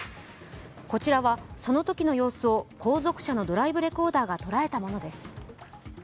こちらは、そのときの様子を後続車のドライブレコーダーが捉えたものです。